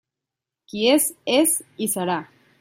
Qui és, és i serà.